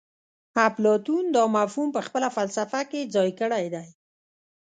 اپلاتون دا مفهوم په خپله فلسفه کې ځای کړی دی